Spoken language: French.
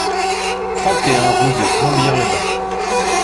trente et un rue de Plombières-les-Bains